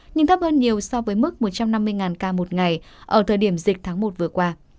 nhưng thấp hơn nhiều so với mức một trăm năm mươi ca một ngày ở thời điểm dịch tháng một vừa qua